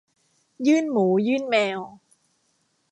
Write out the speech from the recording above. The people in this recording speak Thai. ยื่นหมูยื่นแมว